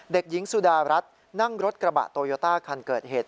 เด็กหญิงสุดารัฐนั่งรถกระบะโตโยต้าคันเกิดเหตุ